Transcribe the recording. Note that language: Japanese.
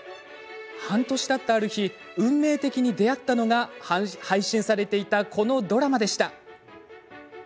半年たったある日運命的に出会ったのが配信されていたこのドラマでした。